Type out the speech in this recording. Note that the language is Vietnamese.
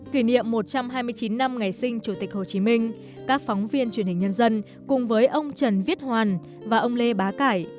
kỷ niệm một trăm hai mươi chín năm ngày sinh chủ tịch hồ chí minh các phóng viên truyền hình nhân dân cùng với ông trần viết hoàn và ông lê bá cải